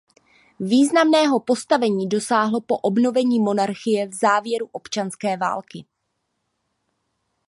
Významného postavení dosáhl po obnovení monarchie v závěru občanské války.